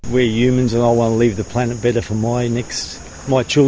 kita manusia dan saya ingin meninggalkan planet ini lebih baik untuk anak anak saya